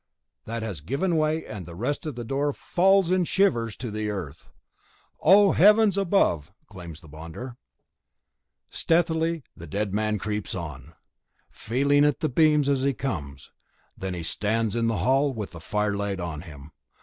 that has given way, and the rest of the door falls in shivers to the earth. "Oh, heavens above!" exclaims the bonder. Stealthily the dead man creeps on, feeling at the beams as he comes; then he stands in the hall, with the firelight on him.